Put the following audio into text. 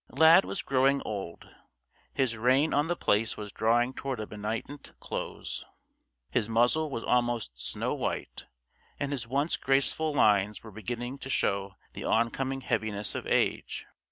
Lad was growing old. His reign on The Place was drawing toward a benignant close. His muzzle was almost snow white and his once graceful lines were beginning to show the oncoming heaviness of age.